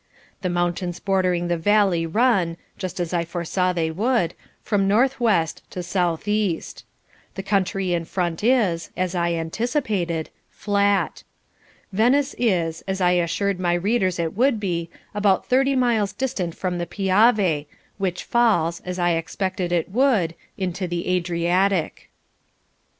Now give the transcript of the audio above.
The mountains bordering the valley run just as I foresaw they would from northwest to southeast. The country in front is, as I anticipated, flat. Venice is, as I assured my readers it would be, about thirty miles distant from the Piave, which falls, as I expected it would, into the Adriatic."